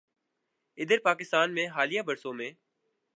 ادھر پاکستان میں حالیہ برسوں میں